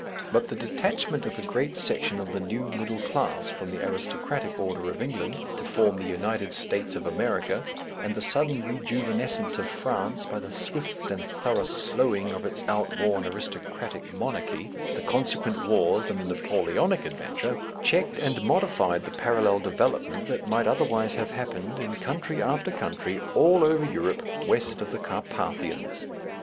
But the detachment of a great section of the new middle class from the aristocratic order of England to form the United States of America, and the sudden rejuvenescence of France by the swift and thorough sloughing of its outworn aristocratic monarchy, the consequent wars and the Napoleonic adventure, checked and modified the parallel development that might otherwise have happened in country after country over all Europe west of the Carpathians.